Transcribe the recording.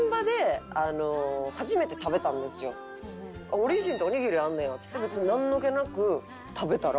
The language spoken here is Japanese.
「オリジンっておにぎりあんねや」っつって別になんの気なく食べたら。